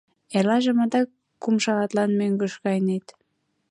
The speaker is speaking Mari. — Эрлажым адак кум шагатлан мӧҥгыш кайынет.